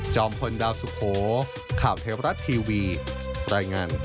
พลดาวสุโขข่าวเทวรัฐทีวีรายงาน